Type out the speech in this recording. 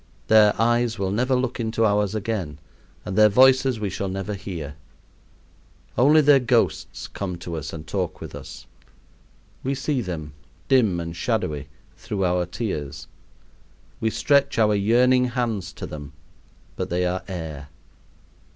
Their eyes will never look into ours again and their voices we shall never hear. Only their ghosts come to us and talk with us. We see them, dim and shadowy, through our tears. We stretch our yearning hands to them, but they are air.